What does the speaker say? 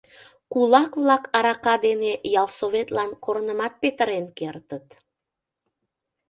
Кулак-влак арака дене ялсоветлан корнымат петырен кертыт.